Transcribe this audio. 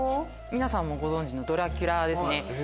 皆さんもご存じのドラキュラですね。